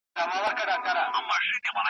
پرېږده چي تور مولوي ,